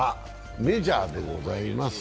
メジャーでございます。